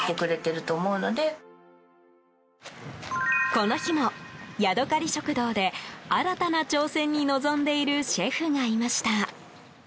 この日も、ヤドカリ食堂で新たな挑戦に臨んでいるシェフがいました。